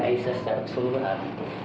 aisyah secara keseluruhan